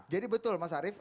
jadi betul mas arief